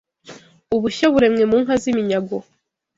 ubushyo buremwe mu nka z’iminyago